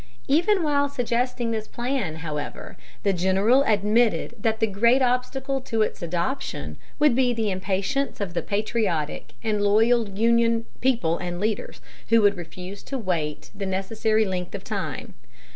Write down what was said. Even while suggesting this plan, however, the general admitted that the great obstacle to its adoption would be the impatience of the patriotic and loyal Union people and leaders, who would refuse to wait the necessary length of time.